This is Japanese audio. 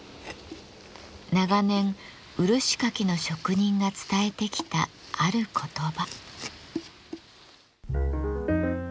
長年漆かきの職人が伝えてきたある言葉。